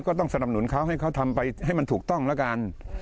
ก็ต้องสนับสนุนเขาให้เขาทำไปให้มันถูกต้องแล้วกัน